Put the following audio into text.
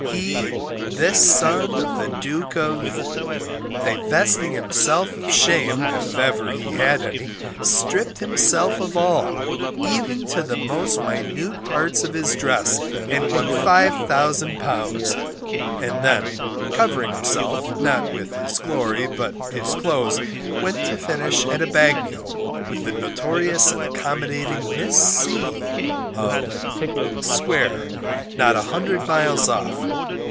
he, this son of the Duke of , divesting himself of shame (if ever he had any), stripped himself of all, even to the most minute parts of his dress, and won £5000. And then covering himself, not with glory, but his clothes, went to finish at a bagnio, with the notorious and accommodating Miss C of Square, not a hundred miles off.